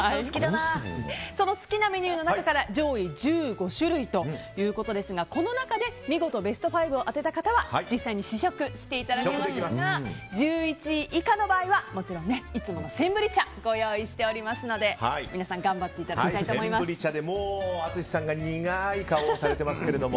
その好きなメニューの中から上位１５種類ということですがこの中で見事ベスト５を当てた方は実際に試食していただけますが１１位以下の場合はもちろんいつものセンブリ茶をご用意しておりますので皆さん、頑張っていただきたいとセンブリ茶でもう淳さんが苦い顔をされていますが。